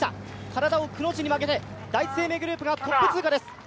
体をくの字に曲げて、第一生命グループがトップ通過です。